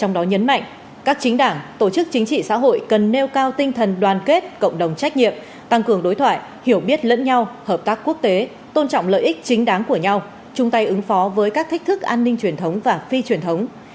trong đó nhấn mạnh các chính đảng tổ chức chính trị xã hội cần nêu cao tinh thần đoàn kết cộng đồng trách nhiệm tăng cường đối thoại hiểu biết lẫn nhau hợp tác quốc tế tôn trọng lợi ích chính đáng của nhau chung tay ứng phó với các thách thức an ninh truyền thống và phi truyền thống